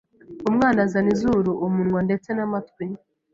Umwana azana izuru, umunwa ndetse n’amatwi